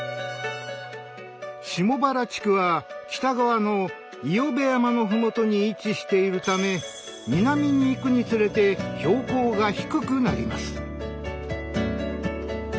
下原地区は北側の伊与部山の麓に位置しているため南に行くにつれて標高が低くなります。